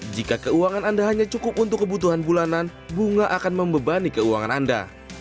jika keuangan anda hanya cukup untuk kebutuhan bulanan bunga akan membebani keuangan anda